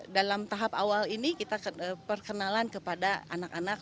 dalam tahap awal ini kita perkenalan kepada anak anak